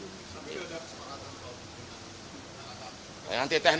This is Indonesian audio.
tapi ada persyaratan atau persyaratan